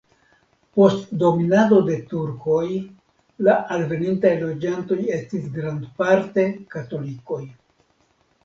Post dominado de turkoj la alvenintaj loĝantoj estis grandparte katolikoj.